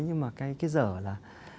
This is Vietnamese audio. nhưng mà cái dở là